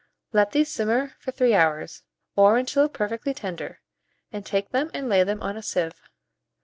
Let these simmer for 3 hours, or until perfectly tender, and take them and lay them on a sieve.